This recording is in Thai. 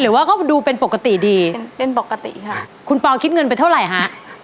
หรือว่าก็ดูเป็นปกติดีเป็นเป็นปกติค่ะคุณปอคิดเงินไปเท่าไหร่ฮะ